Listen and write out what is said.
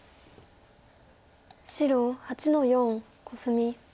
白８の四コスミ。